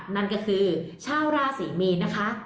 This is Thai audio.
นั่นก็คือชาวราศรีมีนนะคะ